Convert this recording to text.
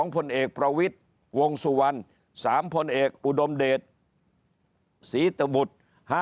พลเอกประวิทย์วงสุวรรณ๓พลเอกอุดมเดชศรีตบุตร